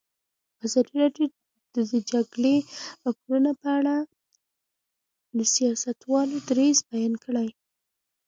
ازادي راډیو د د جګړې راپورونه په اړه د سیاستوالو دریځ بیان کړی.